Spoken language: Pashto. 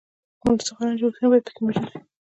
منصفانه جوړښتونه باید پکې موجود وي.